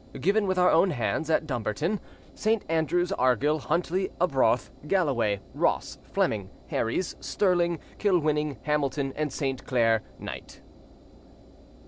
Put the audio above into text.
"Given with our own hands at Dumbarton, "St. Andrews, Argyll, Huntly, Arbroath, Galloway, Ross, Fleming, Herries, Stirling, Kilwinning, Hamilton, and Saint Clair, Knight."